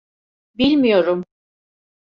Bilmiyorum